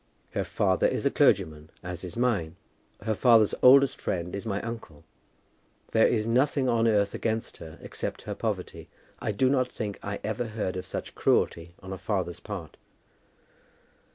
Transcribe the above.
Her father is a clergyman, as is mine. Her father's oldest friend is my uncle. There is nothing on earth against her except her poverty. I do not think I ever heard of such cruelty on a father's part."